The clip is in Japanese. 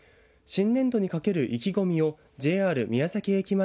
新年度にかける意気込みをＪＲ宮崎駅